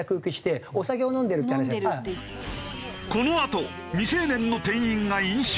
このあと未成年の店員が飲酒？